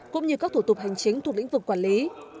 cũng như các thủ tục hành chính thuộc lĩnh vực quản lý